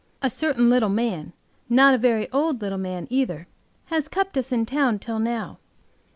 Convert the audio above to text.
A certain little man, not a very old little man either, has kept us in town till now.